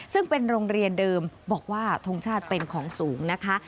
ซึ่งเป็นโรงเรียนเดิมบอกว่าทงชาติเป็นของสูงนะคะ